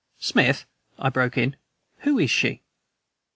"Smith," I broke in, "who is she?"